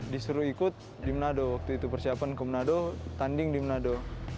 disuruh ikut di manado waktu itu persiapan ke menado tanding di manado